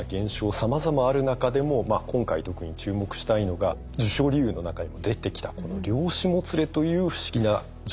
さまざまある中でも今回特に注目したいのが受賞理由の中にも出てきた「量子もつれ」という不思議な状態があるんです。